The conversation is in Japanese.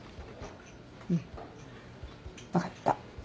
うん分かった。